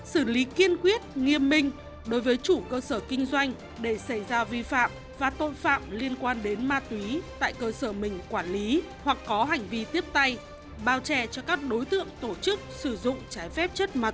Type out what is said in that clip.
xử lý kiên quyết nghiêm minh đối với chủ cơ sở kinh doanh để xảy ra vi phạm và tội phạm liên quan đến ma túy tại cơ sở mình quản lý hoặc có hành vi tiếp tay bao trè cho các đối tượng tổ chức sử dụng trái phép chất ma túy